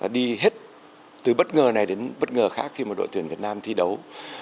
đi hết từ bất ngờ này đến bất ngờ khác khi mà đội tuyển việt nam thi đấu